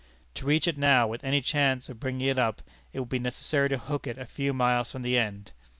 To reach it now, with any chance of bringing it up, it would be necessary to hook it a few miles from the end.